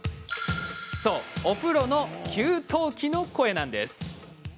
そう、お風呂の給湯器の声なんです。